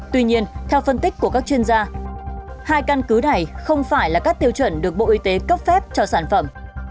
tuy nhiên theo phân tích của các chuyên gia hai căn cứ này không phải là các tiêu chuẩn được bộ y tế cấp phép cho sản phẩm